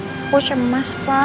aku cemas pak